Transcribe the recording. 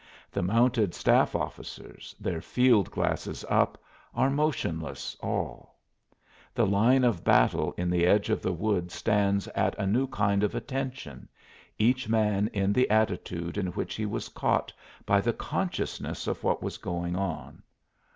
The mounted staff officers, their field glasses up, are motionless all. The line of battle in the edge of the wood stands at a new kind of "attention," each man in the attitude in which he was caught by the consciousness of what is going on.